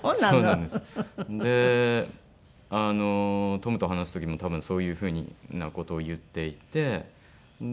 トムと話す時も多分そういう風な事を言っていて。